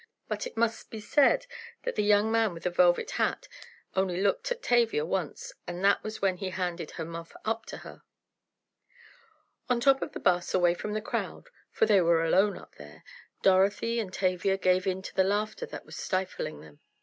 But it must be said that the young man with the velvet hat only looked at Tavia once and that was when he handed her muff up to her. On top of the 'bus, away from the crowd (for they were alone up there), Dorothy and Tavia gave in to the laughter that was stifling them.